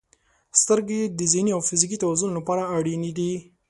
• سترګې د ذهني او فزیکي توازن لپاره اړینې دي.